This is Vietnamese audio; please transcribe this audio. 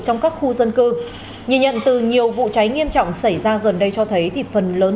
trong các khu dân cư nhìn nhận từ nhiều vụ cháy nghiêm trọng xảy ra gần đây cho thấy thì phần lớn